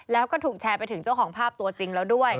แล้วก็ถูกแชร์ไปถึงเจ้าของภาพตัวจริงแล้วด้วย